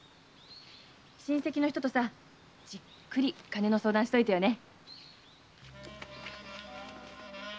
親戚の人とさじっくり金の相談しといてよね。